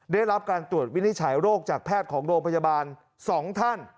ได้รับการตรวจวินิจฉัยโรคจากแพทย์ของโรงพยาบาล๒ท่าน